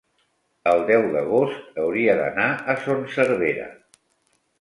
El deu d'agost hauria d'anar a Son Servera.